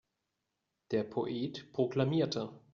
Der Poet proklamierte.